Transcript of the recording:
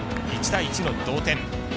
１対１の同点。